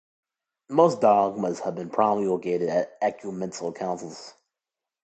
Most dogmas have been promulgated at ecumenical councils.